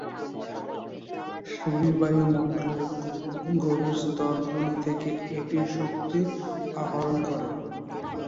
শনির বায়ুমণ্ডলের গভীর স্তরগুলি থেকে এটি শক্তি আহরণ করে।